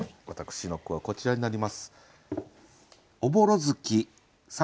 私の句はこちらになります。